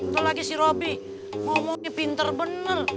terus lagi si robi ngomongnya pinter bener